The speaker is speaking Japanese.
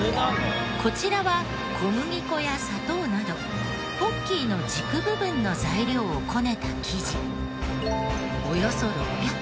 こちらは小麦粉や砂糖などポッキーの軸部分の材料をこねた生地。